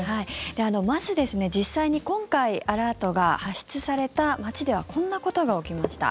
まず、実際に今回アラートが発出された街ではこんなことが起きました。